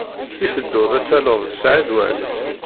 I tedduḍ ad talleḍ Saɛid Waɛli?